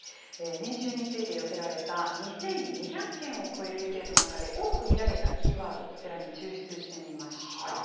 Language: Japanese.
年収について寄せられた２２００件を超える意見の中で多く見られたキーワード、こちらに抽出してみました。